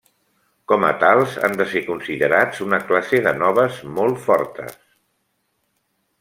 Com a tals, han de ser considerats una classe de noves molt fortes.